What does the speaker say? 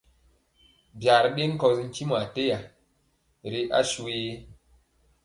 Byaa ri ɗe nkɔsi ntimɔ ateya ri asuye?